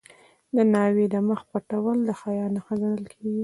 د ناوې د مخ پټول د حیا نښه ګڼل کیږي.